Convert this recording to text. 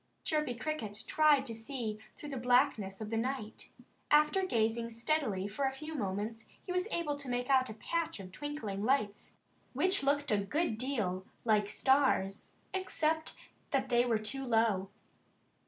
Chirpy Cricket tried to see through the blackness of the night. After gazing steadily for a few moments he was able to make out a patch of twinkling lights, which looked a good deal like stars, except that they were too low.